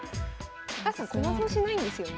高橋さん駒損しないんですよね。